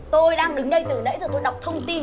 tôi đang đứng đây từ nãy rồi tôi đọc thông tin